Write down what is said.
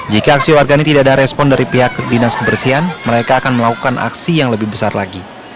jika aksi warga ini tidak ada respon dari pihak dinas kebersihan mereka akan melakukan aksi yang lebih besar lagi